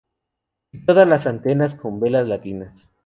Y todas las antenas con velas latinas.